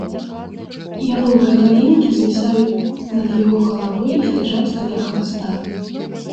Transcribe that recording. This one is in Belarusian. Яловыя галінкі звісаюць над яго галавой і ляжаць каля хваста.